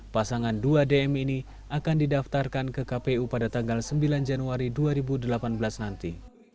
pasangan dua dm ini akan didaftarkan ke kpu pada tanggal sembilan januari dua ribu delapan belas nanti